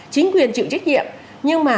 chính quyền chịu trách nhiệm nhưng mà